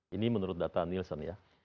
ini menurut data nielsen ya